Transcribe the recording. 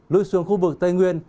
lưu xuống khu vực tây nguyên